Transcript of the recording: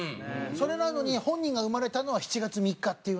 それなのに本人が生まれたのは７月３日っていうね。